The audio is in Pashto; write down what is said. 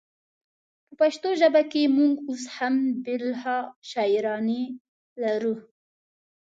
په پښتو ژبه کې مونږ اوس هم بلها شاعرانې لرو